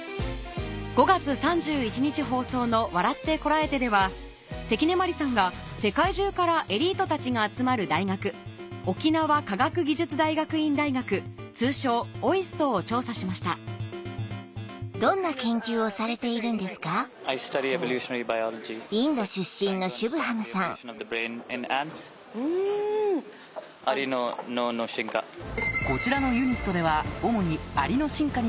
５月３１日放送の『笑ってコラえて！』では関根麻里さんが世界中からエリートたちが集まる大学沖縄科学技術大学院大学通称ＯＩＳＴを調査しましたこちらのユニットでは主に。